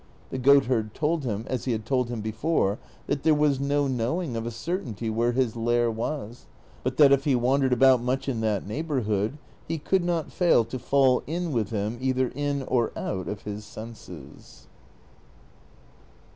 The goatherd told him, as he had told him before, that there was no knowing of a certainty where his lair was ; but that if he wandered about much in that neighborhood he could not fail to fall in with him either in or out of his senses.